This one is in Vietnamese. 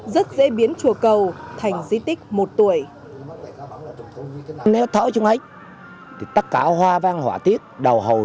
rất dễ biến chùa cầu